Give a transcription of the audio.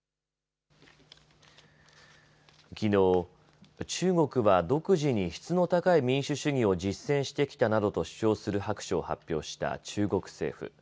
きのう中国は独自に質の高い民主主義を実践してきたなどと主張する白書を発表した中国政府。